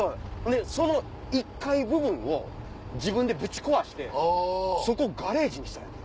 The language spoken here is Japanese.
その１階部分を自分でぶち壊してそこガレージにしたんやって。